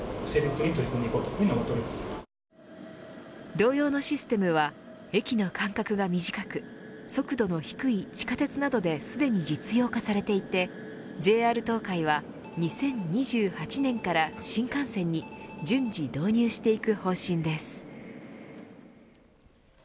同様のシステムは駅の間隔が短く速度の低い地下鉄などですでに実用化されていてＪＲ東海は２０２８年から新幹線に順次導入していく方針です。